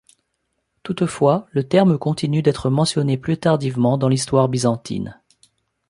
Toutefois, le terme continue d'être mentionné plus tardivement dans l'histoire byzantine.